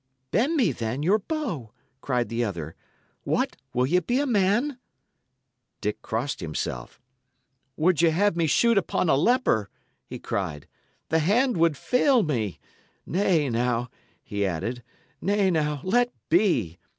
"Bend me, then, your bow!" cried the other. "What! will ye be a man?" Dick crossed himself. "Would ye have me shoot upon a leper?" he cried. "The hand would fail me. Nay, now," he added "nay, now, let be!